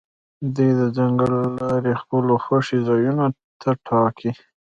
دوی د ځنګل لارې خپلو خوښې ځایونو ته ټاکي